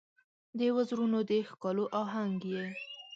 د وزرونو د ښکالو آهنګ یې